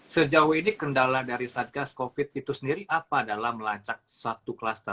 sejauh ini kendala dari satgas covid itu sendiri apa dalam melacak satu kluster